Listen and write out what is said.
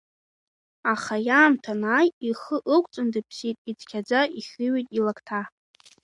Аха иаамҭа анааи, ихы ықәҵан дыԥсит, ицқьаӡа ихиҩеит илакҭа.